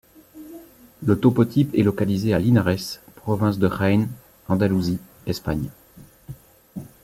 Le topotype est localisé à Linares, province de Jaén, Andalousie, Espagne.